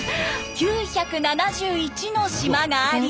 ９７１の島があり。